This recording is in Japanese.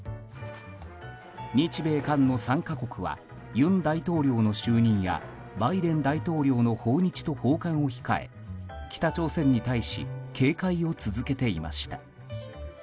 日米韓の３か国は尹大統領の就任やバイデン大統領の訪日と訪韓を控え北朝鮮に対し警戒を続けていました。